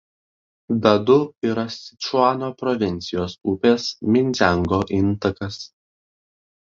Dadu yra Sičuano provincijos upės Mindziango intakas.